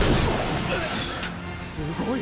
すごい！